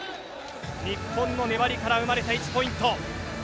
日本の粘りから生まれた１ポイント。